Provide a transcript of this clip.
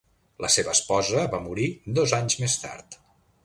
La seva esposa va morir dos anys més tard.